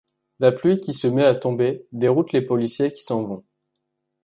La pluie qui se met à tomber déroute les policiers qui s'en vont.